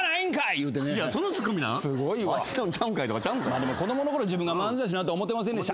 でも子供のころ自分が漫才師になるとは思ってませんでした。